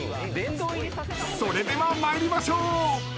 ［それでは参りましょう！］